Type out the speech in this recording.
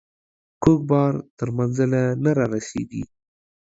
کوږ بار تر منزله نه رارسيږي.